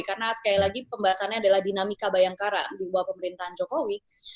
karena sekali lagi pembahasannya adalah dinamika bayangkara di bawah pemerintahan jokowi